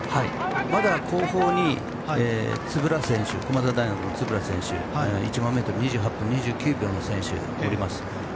まだ、後方に駒澤大学の円選手１００００ｍが２８分２９秒の選手がおります。